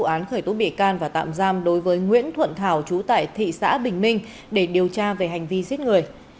cơ quan cảnh sát điều tra công an khởi tố bị can và tạm giam đối với nguyễn thuận thảo trú tại thị xã bình minh để điều tra về hành vi giết người